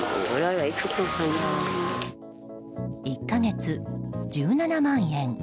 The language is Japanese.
１か月、１７万円。